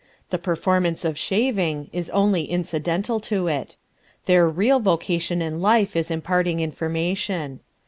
The performance of shaving is only incidental to it. Their real vocation in life is imparting information.